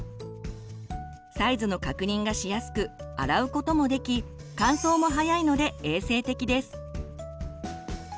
サイズの確認がしやすく洗うこともでき乾燥もはやいので衛生的です。